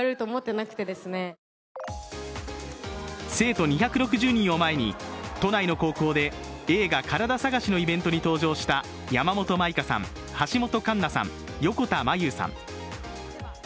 生徒２６０人を前に、都内の高校で映画「カラダ探し」のイベントに登場した、橋本環奈さん、山本環奈さん、横田真悠さん。